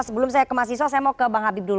sebelum saya ke mahasiswa saya mau ke bang habib dulu